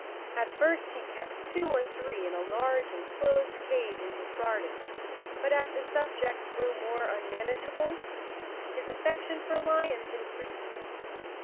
At first he had kept two or three in a large enclosed 21 The Cowardly Lion of Oz _ cage in his garden, but as his subjects grew more un¬ manageable, his affection for lions increased.